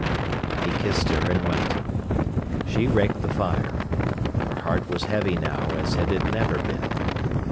He kissed her, and went. She raked the fire. Her heart was heavy now as it had never been.